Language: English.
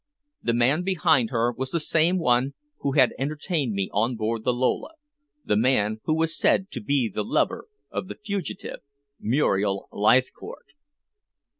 The man behind her was the same who had entertained me on board the Lola the man who was said to be the lover of the fugitive Muriel Leithcourt.